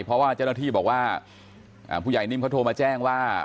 เพราะว่าเจ้าหน้าที่บอกว่าผู้ใหญ่นิ่มเขาโทรมาแจ้งว่า